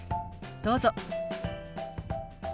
どうぞ。